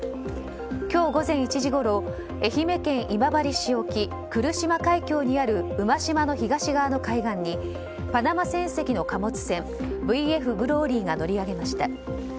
今日午前１時ごろ愛媛県今治市沖来島海峡にある馬島の東側の海岸にパナマ船籍の貨物船「ＶＦＧＬＯＲＹ」が乗り上げました。